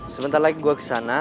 sebentar lagi gue kesana